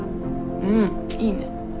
うんいいね。